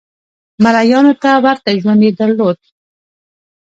مریانو ته ورته ژوند یې درلود.